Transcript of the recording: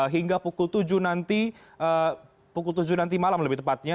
hingga pukul tujuh nanti malam lebih tepatnya